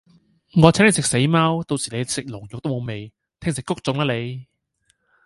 我請你食死貓，到時你食龍肉都無味，聽食穀種啦你